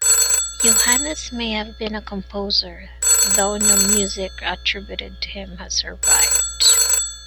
Johannes may have been a composer, though no music attributed to him has survived.